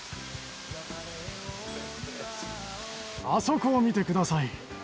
あそこを見てください。